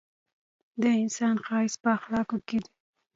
د انسان ښایست په اخلاقو کي دی!